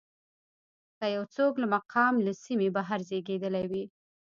که یو څوک له مقام له سیمې بهر زېږېدلی وي.